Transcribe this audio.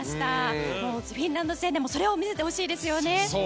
フィンランド戦でもそれを見せてほしいですよね。